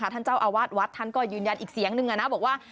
ท่านเจ้าอวาชวัดยืนยันอีกเสียงนึงนะนะบอกว่า